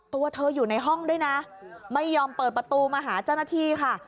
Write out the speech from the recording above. ตัวเธออยู่ในห้องด้วยนะไม่ยอมเปิดประตูมาหาเจ้าหน้าที่ค่ะ